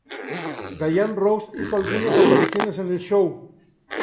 Diana Ross hizo algunas apariciones en el show.